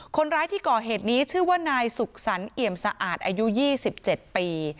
คนร้ายที่ก่อเหตุนี้ชื่อว่านายสุขสรรคเอี่ยมสะอาดอายุ๒๗ปี